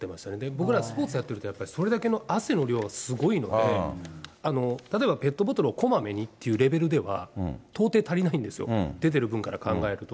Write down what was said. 僕ら、スポーツやってると、それだけの汗の量がすごいので、例えばペットボトルをこまめにというレベルでは、到底足りないんですよ、出てる分から考えると。